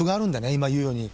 今言うように。